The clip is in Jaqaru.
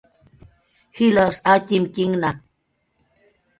jilapsa atyimkinhna